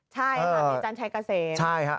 ใช่ค่ะมีนาชัยกะเสม